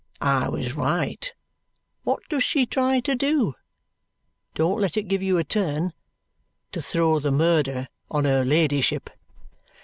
I was right. What does she try to do? Don't let it give you a turn? To throw the murder on her ladyship."